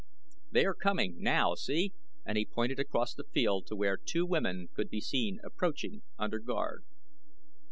"They are coming now, see?" and he pointed across the field to where two women could be seen approaching under guard.